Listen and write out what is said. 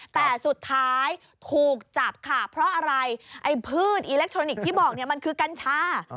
แต่สุดท้ายถูกจับค่ะเพราะพืชอออร์แกนิคที่บอกมันคือกัญชา